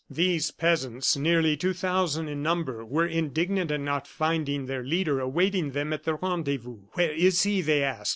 These peasants, nearly two thousand in number, were indignant at not finding their leader awaiting them at the rendezvous. "Where is he?" they asked.